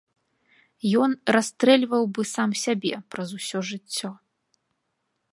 Ён расстрэльваў бы сам сябе праз усё жыццё.